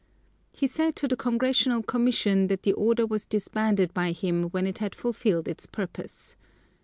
He said to the congressional commission that the order was disbanded by him when it had fulfilled its purpose.